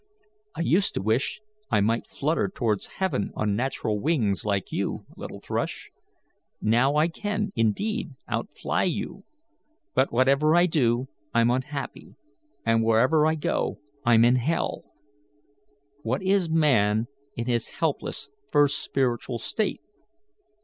I used to wish I might flutter towards heaven on natural wings like you, little thrush. Now I can, indeed, outfly you. But whatever I do I'm unhappy, and wherever I go I'm in hell. What is man in his helpless, first spiritual state?